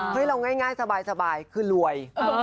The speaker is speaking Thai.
เราง่ายสบายคือรวย